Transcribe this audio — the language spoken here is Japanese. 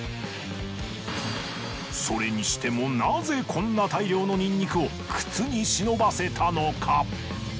それにしてもなぜこんな大量のニンニクを靴に忍ばせたのか？